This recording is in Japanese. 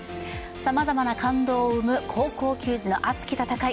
さまざまな感動を生む高校球児の熱き戦い